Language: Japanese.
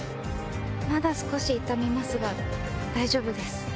まだ少し痛みますが大丈夫です。